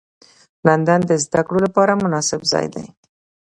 لندن د زدهکړو لپاره مناسب ځای دی